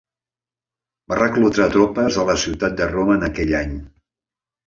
Va reclutar tropes a la ciutat de Roma en aquell any.